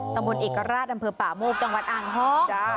ตำบลเอกราชอำเภอป่าโมกจังหวัดอ่างทอง